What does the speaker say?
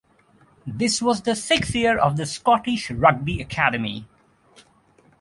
This was the six year of the Scottish Rugby Academy.